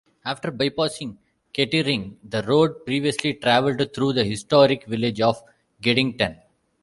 After bypassing Kettering, the road previously travelled through the historic village of Geddington.